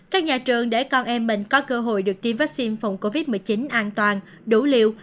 các nhà trường để con em mình có cơ hội được tiêm vaccine phòng covid một mươi chín an toàn đủ liều